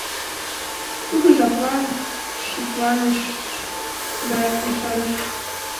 Тудо жаплан шыпланыш да ешарыш: